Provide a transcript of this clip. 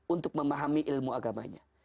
untuk memahami ilmu agamanya